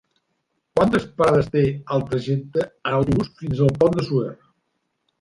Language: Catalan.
Quantes parades té el trajecte en autobús fins al Pont de Suert?